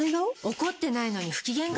怒ってないのに不機嫌顔？